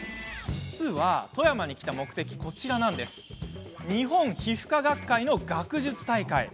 実は富山に来た目的はこちら日本皮膚科学会の学術大会。